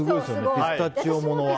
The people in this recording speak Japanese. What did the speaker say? ピスタチオものは。